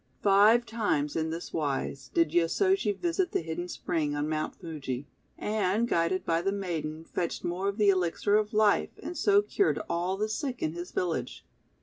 Five times, in this wise, did Yosoji visit the hidden spring on Mount Fuji, and, guided by the maiden, fetched more of the Elixir of Life, and so cured all the sick in his village.